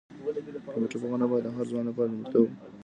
کمپيوټر پوهنه باید د هر ځوان لپاره لومړیتوب وي.